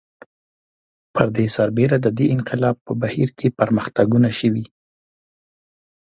پر دې سربېره د دې انقلاب په بهیر کې پرمختګونه شوي